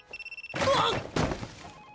うわっ！